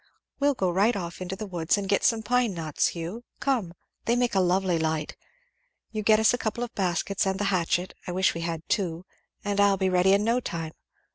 We'll go right off into the woods and get some pine knots, Hugh come! They make a lovely light. You get us a couple of baskets and the hatchet I wish we had two and I'll be ready in no time.